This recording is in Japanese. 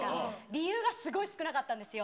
理由がすごい少なかったんですよ。